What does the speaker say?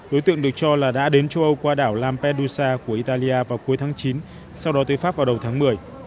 đối tượng được cho là đã đến châu âu qua đảo lampedusa của italia vào cuối tháng chín sau đó tới pháp vào đầu tháng một mươi